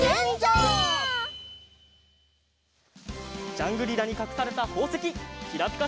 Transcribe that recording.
ジャングリラにかくされたほうせききらぴか